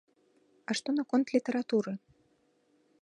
А што наконт літаратуры?